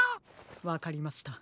わかりました。